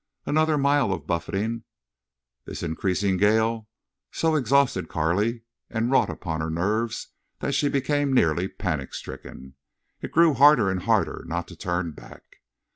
Another mile of buffeting this increasing gale so exhausted Carley and wrought upon her nerves that she became nearly panic stricken. It grew harder and harder not to turn back.